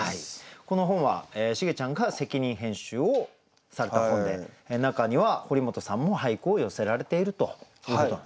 この本はシゲちゃんが責任編集をされた本で中には堀本さんも俳句を寄せられているということなんですね。